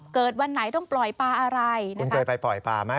วันไหนต้องปล่อยปลาอะไรคุณเคยไปปล่อยปลาไหม